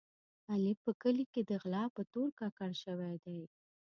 علي په کلي کې د غلا په تور ککړ شوی دی.